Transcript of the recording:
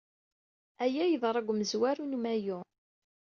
Aya yeḍra deg umezwaru n Mayyu.